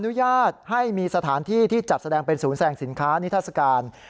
อนุญาตให้มีสถานที่ที่จัดแสดงเป็นศูนย์แสดงสินค้านิทัศกาล